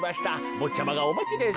ぼっちゃまがおまちです。